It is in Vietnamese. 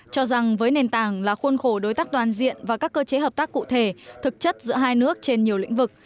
cho rằng với nền tảng là khuôn khổ đối tác toàn diện và các cơ chế hợp tác cụ thể thực chất giữa hai nước trên nhiều lĩnh vực